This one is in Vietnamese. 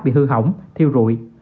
bị hư hỏng thiêu rụi